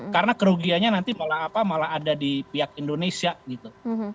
karena kerugianya nanti malah apa malah ada di pihak indonesia gitu